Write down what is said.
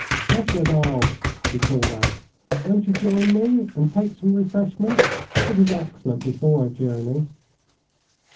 "Nekhludoff," he called out, "won't you join me and take some refreshment? It is excellent before a journey."